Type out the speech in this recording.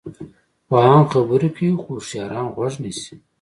پوهان خبرې کوي خو هوښیاران غوږ نیسي.